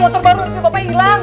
motor baru tapi bapaknya hilang